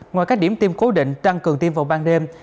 ngoài các điểm tiêm cố định tăng cường tiêm vào ban đêm